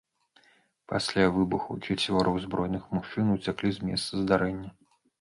Пасля выбухаў чацвёра ўзброеных мужчын уцяклі з месца здарэння.